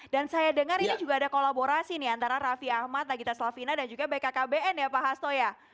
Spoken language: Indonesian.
dan saya dengar ini juga ada kolaborasi nih antara rafi ahmad nagita slavina dan juga bkkbn ya pak hasto ya